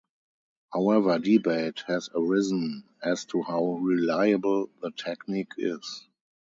However, debate has arisen as to how reliable the technique is.